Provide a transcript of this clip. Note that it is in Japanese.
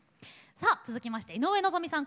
さあ続きまして井上希美さん